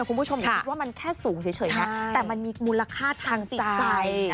คุณผู้ชมอย่าคิดว่ามันแค่สูงเฉยนะแต่มันมีมูลค่าทางจิตใจนะ